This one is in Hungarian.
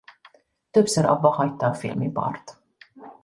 Többször abbahagyta a filmipart.